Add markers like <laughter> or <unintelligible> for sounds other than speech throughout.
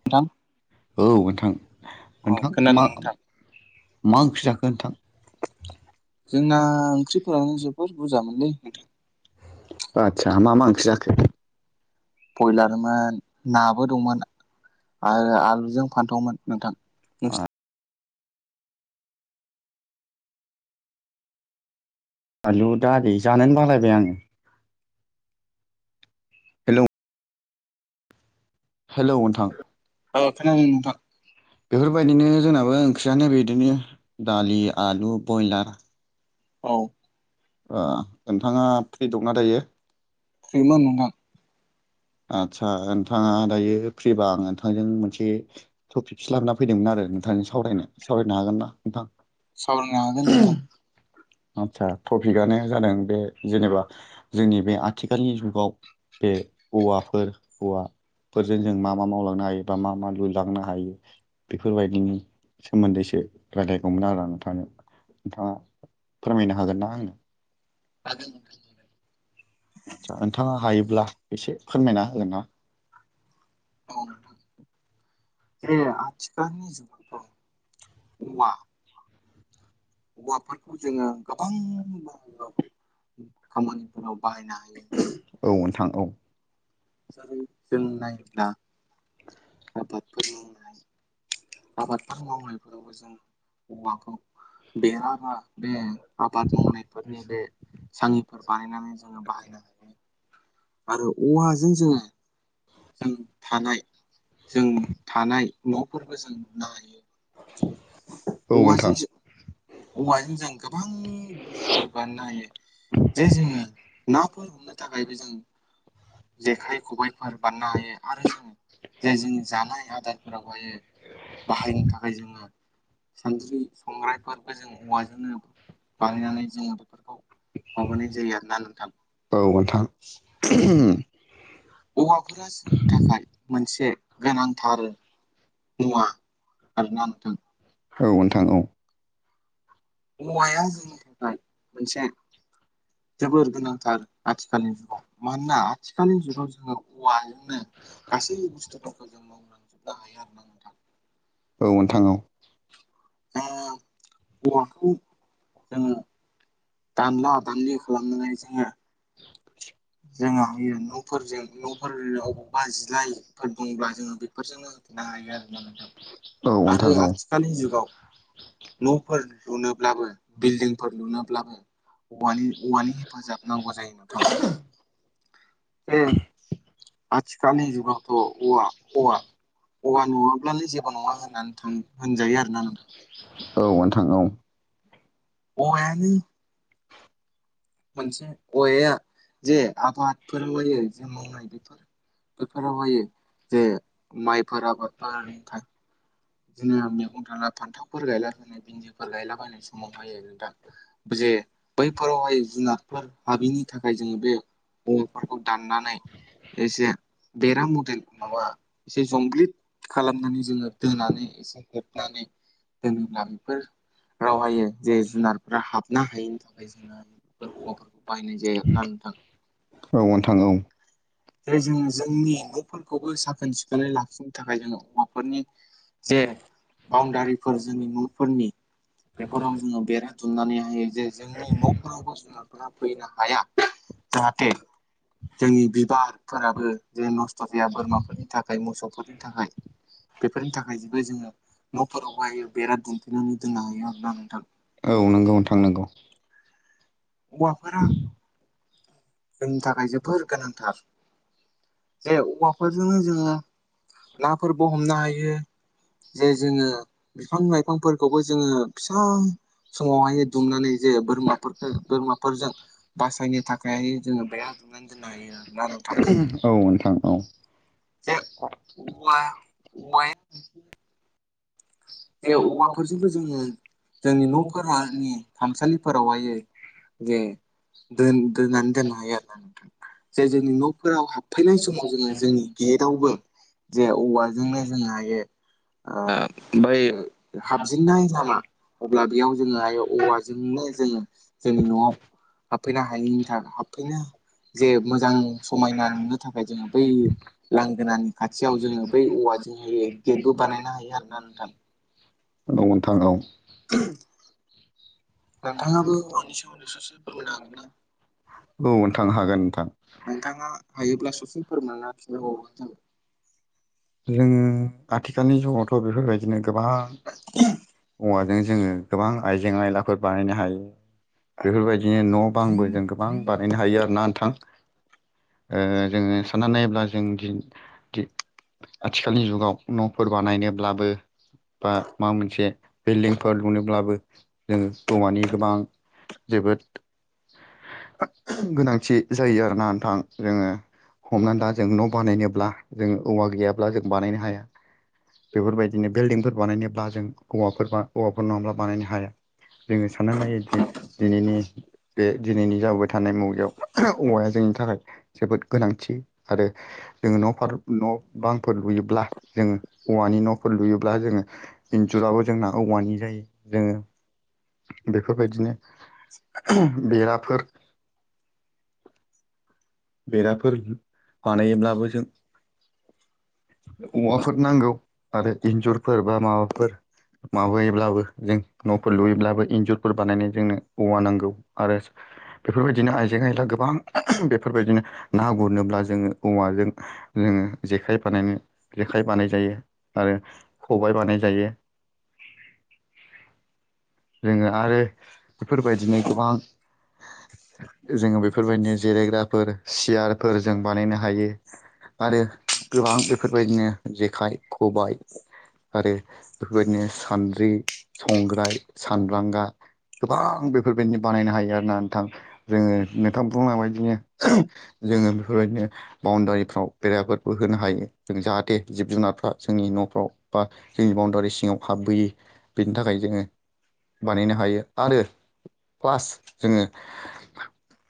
नोंथां औ नोंथां अ नोंथां मा खोनादों नोंथां? मा ओंख्रि जाखो नोंथां? जोंना ओंख्रिफोरानो जोबोर बुरजामोनलै। नोंथां। आतसा मा-मा ओंख्रि जाखो? बयलारमोन, नाबो दंमोन आरो आलुजों फानथावमोन। नोंथां नोंसि आलु, दालि जानोनो बालायबाय आङो। हेलौ हेलौ नोंथां अ' खोनादों नोंथां। बेफोरबायदिनो जोंनाबो ओंख्रियानो बेदिनो दालि, आलु बयलार, औ। अ'। नोंथाङा फ्रि दंना दायो? फ्रिमोन नोंथां आदसा नोंथाङा दायो फ्रिबा आं नोंथांजों मोनसे टपिकस लाना फैदोंमोन आरो नोंथांनिस सावरायनो- सावरायनो हागोन ना नोंथां? सावरायनो हागोन नोंथां। आत्सा टपिकआनो जादों बे जेनेबा जोंनि बे आथिखालनि जुगाव बे औवाफोरजों जों मा-मा मावलांनो हायो बा मा-मा लुलांनो हायो। बेफोरबायदिनि सोमोन्दैसो रायलायगौमोन आरो आं नोंथांजों। नोंथाङा फोरमायनो हागोन ना आंनो? हागोन। आत्सा नोंथाङा हायोब्ला एसे फोरमायना होगोन ना? औ नोंथां। बे आथिखालनि जुग अ' नङा औवाफोरखौ जोङो गोबां बाहागोआव खामानिफोराव बाहायनो हायो। औ नोंथां औ जारै -जों नायोब्ला <inaudible> <unintelligible> आबादफोर मावनायफोरावबो जों औवाखौ बेराब्ला बे आबाद मावनायफोरनि बे सांयिफोर बानायनानै जोङो बाहायनो हायो। आरो औवाजों जोङो जों थानाय जों थानाय न'फोर जों नुनो हायो औ नोंथां औवाजों जों औवाजों जों गोबां बुस्थुफोर बानायनो हायो जे जोङो नाफोर हमनो थाखायबो जों जेखाइ खबाइफोर बानायनो हायो आरो जों जे जों जानाय आदारफोरावहाय बाहायनो थाखाय जोङो सानद्रि संग्रायफोरबो जों औवाजोंनो बानायनानै जोङो बेफोरखौ माबानाय जायो आरोना नोंथां औ औवाफोरा जोंनि थाखाय मोनसे गोनांथार मुवा आरोना नोंथां औ नोंथां औ औवाया जोंनि थाखाय मोनसे जोबोर गोनांथार आथिखालनि जुगाव मानोना आथिखालनि जुगाव जोङो औवाजोंनो गासै बुस्थुफोरखौ जों मावलांजोबनो हायो आरो ना नोंथां औ नोंथां औ जोङो औवाखौ जोंङो दानला दानलि खालामनानै जोङो जोंहा न'फोरजों न'फोर अबावबा जिलाइफोर दंब्ला जोङो बेफोरजोंनो औ <unintelligible> आरो नोंथां औ आथिखालनि जुगाव न'फोर लुनोब्लाबो बिल्डिंफोर लुनोब्लाबो औवानि औवानि हेफाजाब नांगौ जायो <unintelligible> उम आथिखालनि जुगावथ' अवा अवा औवा नङाब्लानो जेबो नङा होननानै थां होनजायो आरोना औ नोंथां नोंथां औ औवायानो मोनसे औवाया जे आबादफोर <unintelligible> जों मावनाय बेफोर बेफोराव <unintelligible> जे माइफोराबो बारहुंखा जोंनिया मैगं थाला फान्थावफोर गायलाबायनाय भिन्दिफोर गायलाबायनाय समावहाय <unintelligible> जे बैफोरावहाय जुनारफोर हाबिनि थाखाय जोङो बे बंफांखौ दाननानै एसे बेराम मदेल माबा एसे जंब्लिद खालामनानै जोङो दोनानै एसे हेबनानै दोनोब्ला बेफोर रावहायो जे जुनारफोरा हाबनो हायिनि थाखाय जोङो बेफोर <unintelligible> खौ बाहायनाय जायो आरो ना नोंथां औ नोंथां औ जे जोङो जोंनि न'फोरखौबो साखोन सिखोनै लाखिनो थाखाय जोङो हौवाफोरनि जे बाउणडारिखौ जोंनि न'फोरनि बेफोराव जोङो बेरा दुमनानै हायो जे जोंनि न'फोरावबो जुनारफोरा फैनो हाया जाहाथे जोंनि बिबार फोराबो जे नस्थ' जाया बोरमाफोरनि थाखाय मोसौफोरनि थाखाय बेफोरनि थाखाय जेबो जोङो न'फोराव बायो बेरा दुमफिनानै दोननो हायो आरो ना नोंथां औ नंगौ नोंथां नंगौ औवाफोरा जोंनि थाखाय जोबोर गोनांथार जे औवाफोरजोंनो जोङो नाफोरबो हमनो हायो जे जोङो बिफां लाइफांफोरखौबो जोङो फिसा समावहाय दुमनानै जे बोरमाफोरखौ बोरमाफोरजों बासायनो थाखाय जोङो बेरा दमबनानै दोननो हायो आरो ना नोंथां औ नोंथां औ जा वा <unintelligible> जे औवाफोरजोंबो जोङो जोंनि न'फोरानि खामसालिफोरावहाय जे दोन दोननानै दोननो हायो आरोना नोंथां जे जोंनि न'फोराव हाबफैनाय समाव जोङो जोंनि गेटआवबो जे औवाजोंनो जोङोहायो ओ ओमफ्राय हाबजेनन्नाय लामा अब्ला बेयाव जोङो औवाजोंनो जोङो जोंनि न'आव हाबफैनो हायैनि थाखाय हाबफैनो जे मोजां समायना नुनो थाखाय जोङो बै लांगोनानि खाथियाव जोङो बै औवाजोंहाय गेटबो बानायनो हायो आरो ना नों थां औ नोंथां औ नोंथाङाबो औवानि सोमोन्दै ससे फोरमायनो हागोन ना? थां हागोन नोंथां नोंथाङा हायोब्ला ससे फोरोंना <unintelligible> नों आथिखालनि जुगावथ' बेफोरबाय बिदिनो गोबां औवानि जोङो गोबां आइजें आयलाफोर बानायनो हायो। बेफोरबायदिनो न <unintelligible> गोबां बानायनो हायो आरो ना नोंथां। ओ जोङो साननानै नायोब्ला जों दि। दि आथिखालनि जुगाव नफोर बानायनोब्लाबो बा माबा मोनसे बिल्डिंफोर लुनोब्लाबो जोङो औवानि गोबां जोबोद गोनांथि जायो आरोना नोंथां जोङो हमनानै ला जों न बानायनोब्ला जोङो। औवा गैयाब्ला जों बानायनो हाया बेफोरबायदिनो बिल्डिंफोर बानायनोब्ला जों औवाफोर औवाफोर नङाब्ला बानायनो हाया जोङो साननानै नायोदि दिनैनि बे दिनैनि जाबोबाय था <unintelligible> औवाया जोंनि थाखाय जोबोद गोनांथि आरो जों न फार न बांफोर लुयोब्ला जोङो औवानि नफोर लुयोब्ला जोङो इन्जुराबो जोंना औवानि जायो जोङो। बेफोरबायदिनो आओम-बेराफोर। बेराफोर बानायोब्लाबो जों। औवाफोर नांगौ आरो इन्जुरफोर बा माबाफोर माबायोब्लाबो जों नफोर लुयोब्लाबो इन्जुरफोर बानायनायजोंनो औवा नांगौ आरो। बेफोरबायदिनो आइजें आइला गोबां। <unintelligible> बेफोरबायदिनो ना गुरनोब्ला जोङो औवाजों जोङो जेखाइ बानायनो जेखाइ बानाय जायो आरो। खबाइ बानाय जायो। जोङो आरो बेफोरबायदिनो गोबां। जोङो बेफोरबायदिनो जेरायग्रा फोर सियार फोर जों बानायनो हायो आरो गोबां जेफोरबायदिनो जेखाइ खबाइ आरो बेफोरबायदिनो सानद्रि संग्राय सानब्रांगा गोबां बेफोरबायदिनो बानायनो हायो आरोना नोंथां जोङो नोंथां बुंनाय बादिनो <unintelligible> जोङो बेफोरबायदिनो बाउणडारिफ्राव बेराफोरबो होनो हायो जों जाहाथे जिब जुनारफ्रा जोंनि नफ्राव बा जोंनि बाउणडारि सिङाव हाबबोयि बेनि थाखाय जोङो बानायनो हायो आरो प्लास जोङो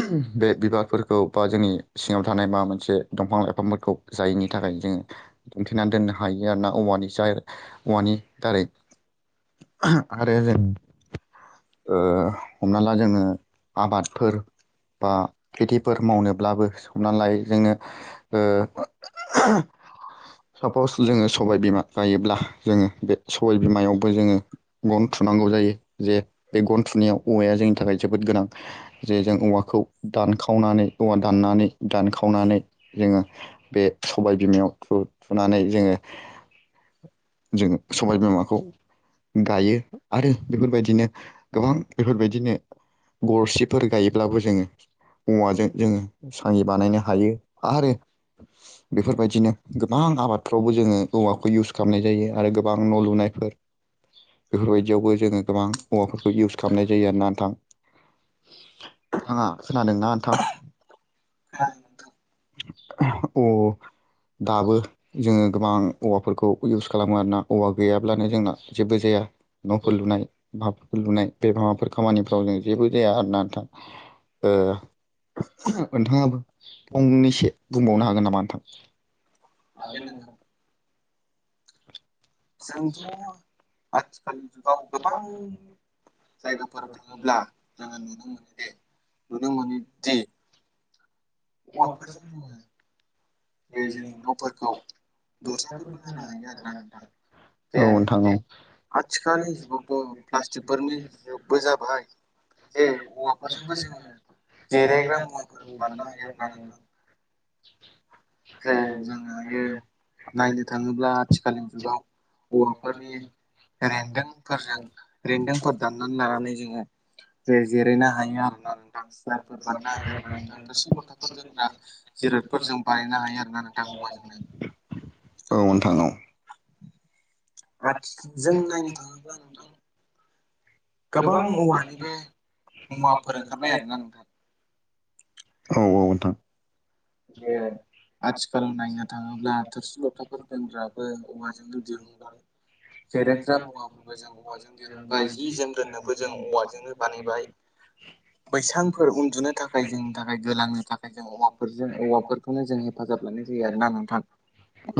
उम-बे बिबारफोर खौ बा जोंनि सिङाव थानाय माबा मोनसे दंफां लाइफांफोरखौ जायनि थाखाय जोंङो दुमथेना दोननो हायो आरोना औवानि जायर औवानि दारै आरो ओ हमना ला जोङो आबादफोर बा खेथिब फोर मावनोब्लाबो सौना लायो जोङो ओ <unintelligible> सापस जोङो सबाय बिमा गायोब्ला जोङो बे सबाय बिमायावबो जोङो गन थुनांगौ जायो जे बे गन थुनायाव औवाया जोंनि थाखाय जोबोद गोनां। जे जों औवाखौ दानखाव खावनानै औवा दाननानै दानखावनानै जोङो बे सबाय बिमायाव थु-थुनानै जोङो जोङो सबायबिमाखौ गायो आरो बेफोरबायदिनो गोबां बेफोरबायदिनो गरसिफोर गायोब्लाबो जोङो औवाजों जोङो साङि बानायनो हायो आरो बेफोरबायदिनो गोबां आबादफ्रावबो जोङो औवाखौ इउस खालामनाय जायो आरो गोब बां न' लुनायफोर बेफोरबायदियावबो जोङो गोबां औवाफोरखौ इउस खालामनाय जायो आरोना नोंथां नोंथाङा खोनादों ना? थां। हागोन औ। दाबो जोङो गोबां औवाफोरखौ इउस खालामो आरोना औवा गैयाब्लानो जोंना जेबो जाया न'फोर लुनाय माब बो लुनाय बेबा माबाफोर खामानिफो रावनो जेबो जाया आरोना नोंथां ओ। नोंथाङाबो फंनैसो बुंबावनो हागोन नामा नोंथां? <unintelligible> हागोन नोंथां। जोंथ' आस दानि जुगाव गोबां जायगाफोर थाङोब्ला जोङो नुनो मोनोदि नुनो मोननिदि औवाफोरजों जोङो बे जों न'फोरखौ दरजाफोरबो होनो हायो आरो ना नोंथां जे औ नोंथां औ आथिखालनि जुगावथ' प्लास्टिकफोरनि जुगबो जाबाय जे औवाफोरजोंबो जोङो जेरायग्रा मुवाफोर बारनो हायो आरो ना नोंथां जे जोङोहायो नायनो थाङोब्ला आथिखालनि जुगाव हौवाफोरनि रेनदोंफोरजों रेनदोंफोर दाननानै लानानै जोङो। जे जिरायनो हायो आरो ना नोंथां सियारफोर बानायनो हायो आरो ना नोंथां थोरसि लथाफोरजों दा जिरतफोरजों बानायनो हायो नोंथां औवाजोंनो औ नोंथां औ आथि जों नायनो थाङोब्ला नोंथां गोबां औवानि बे मुवाफोर ओंखारनाय आरोना नोंथां औ औ नोंथां जे आथिखालाव नायनो थाङोब्ला थोरसि लथाफोर दोनग्राबो औवाजोंनो दिरहुनबाय जेरेग्रा मुवाफोरबो जों औवाजों दिरहुनबाय जि जोम दोननोबो जों औवाजोंनो बानायबाय बैसांफोर उन्दुनो थाखाय जोंनि थाखाय गोलांनो थाखाय जों औवा फोरजों औवाफोरखौनो जों हेफाजाब लानाय जायो आरोना नोंथां।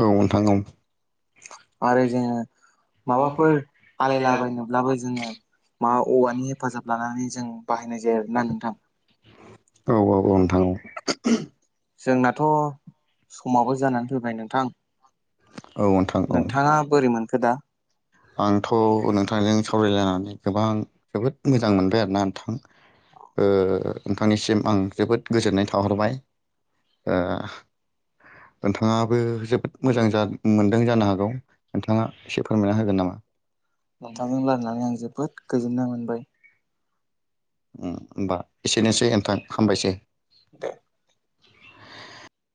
औ नोंथां औ आरो जोङो माबाफोर आलायलाबायनोब्लाबो जोङो मा औवानि हेफाजाब लानानै जों बाहायनाय जायो आरोना नोंथां औ औ औ औ नोंथां औ जोंनाथ' समाबो जानानै फैबाय नोंथां औ नोंथां औ नोंथांङा बोरै मोनखो दा आंथ' नोंथां जों सावरायलायनानै गोबां जोबोद मोजां मोनबाय आरोना नोंथां नोंथांनिसिम आं जोबोद गोजोननाय थाहरबाय नोंथांङाबो जोबोद मोजां मोनदों जानो हागौ नोंथाङा एसे फोरमायना ह नोंथांजों रायलायनानै आं जोबोद गोजोन्नाय मोनबाय होमबा एसेनोसै नोंथां हामबायसै दा